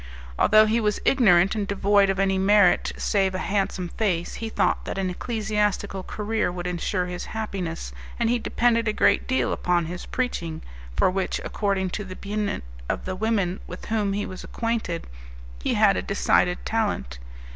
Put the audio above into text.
Although he was ignorant and devoid of any merit save a handsome face, he thought that an ecclesiastical career would insure his happiness, and he depended a great deal upon his preaching, for which, according to the opinion of the women with whom he was acquainted, he had a decided talent.